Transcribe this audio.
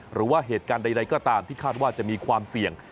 หรือว่าเหตุการณ์ใดก็ตามที่คาดว่าจะมีความเสี่ยง